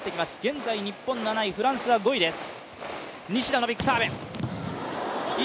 現在、日本７位フランスは５位です。